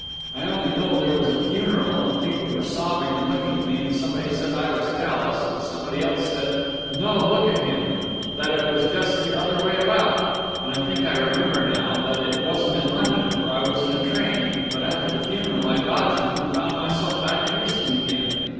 I only know there was a funeral, and people were sobbing and looking at me, and somebody said I was callous, but somebody else said, "No, look at him," and that it was just the other way about. And I think I remember, now, that it wasn't in London, for I was in a train; but after the funeral I dodged them, and found myself back at Euston again.